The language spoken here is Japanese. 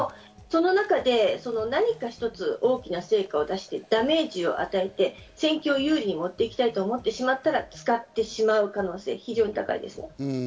その中で何か一つ大きな成果を出してダメージを与えて、戦況を優位に持っていきたいと思ってしまったら使ってしまう可能性が非常に高いです。